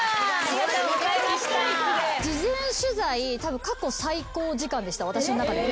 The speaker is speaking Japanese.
事前取材たぶん過去最高時間でした私の中で。